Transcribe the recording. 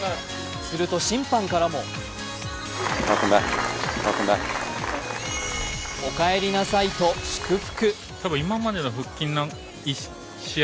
すると審判からも「お帰りなさい」と祝福。